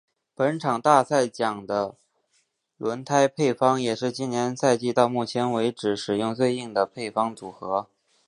本场大奖赛的轮胎配方也是今年赛季到目前为止使用最硬的配方组合。